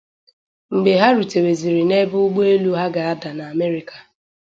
Mgbe ha ruteweziri n’ebe ụgbọelu ha ga-ada n’Amerịka